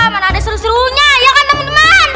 mana ada seru serunya ya kan teman teman